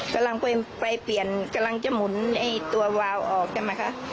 กำลังไปเปลี่ยนกำลังจะหมุนไอ้ตัววาวออกใช่ไหมคะ